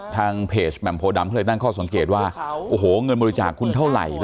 ทางเพจแหม่มโพดำเขาเลยตั้งข้อสังเกตว่าโอ้โหเงินบริจาคคุณเท่าไหร่นะ